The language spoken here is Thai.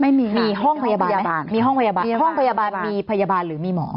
ไม่มีมีห้องพยาบาลมีห้องพยาบาลมีห้องพยาบาลมีพยาบาลหรือมีหมอ